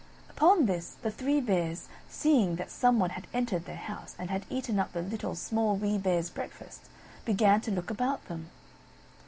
Upon this the Three Bears, seeing that some one had entered their house, and eaten up the Little, Small, Wee Bear's breakfast, began to look about them.